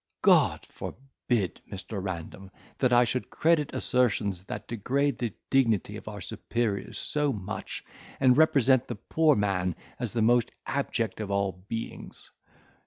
God forbid, Mr. Random, that I should credit assertions that degrade the dignity of our superiors so much, and represent the poor man as the most abject of all beings!